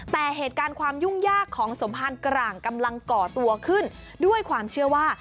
แต่เหตุการณ์ความยุ่งยากของสมภารกร่างกำลังก่อตัวขึ้นด้วยความเชื่อว่า